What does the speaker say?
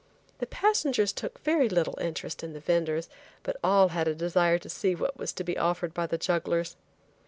The passengers took very little interest in the venders, but all had a desire to see what was to be offered by the jugglers.